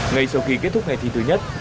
ngày sau khi kết thúc ngày thi thứ nhất